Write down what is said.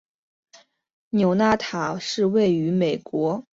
纽纳塔是位于美国阿肯色州斯通县的一个非建制地区。